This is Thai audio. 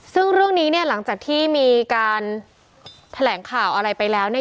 ซึ่งเรื่องนี้เนี่ยหลังจากที่มีการแถลงข่าวอะไรไปแล้วเนี่ย